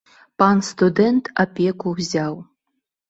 Пан студэнт апеку ўзяў.